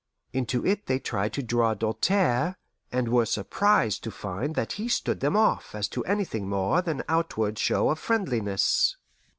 Into it they tried to draw Doltaire, and were surprised to find that he stood them off as to anything more than outward show of friendliness.